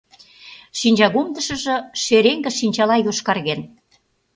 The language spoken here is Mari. Шинчагомдышыжо шереҥге шинчала йошкарген.